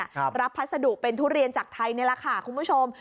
รับพัสดุเป็นทุเรียนจากไทยนี่แหละค่ะคุณผู้ชม